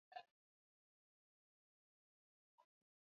unayemgusa ukiingia kwa taxi driver anakwambia bwana